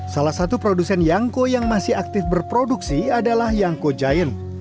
salah satu produsen yangko yang masih aktif berproduksi adalah yangko giant